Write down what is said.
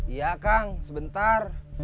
iya kang sebentar